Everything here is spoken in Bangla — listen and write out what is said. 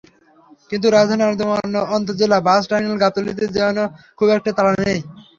কিন্তু রাজধানীর অন্যতম আন্তজেলা বাস টার্মিনাল গাবতলীতে যেন খুব একটা তাড়া নেই।